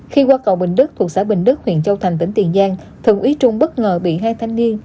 khi qua cầu bình đức thuộc xã bình đức huyện châu thành tỉnh tiền giang thượng úy trung bất ngờ bị hai thanh niên